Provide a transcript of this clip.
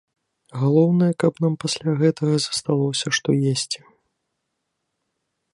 Галоўнае, каб нам пасля гэтага засталося, што есці.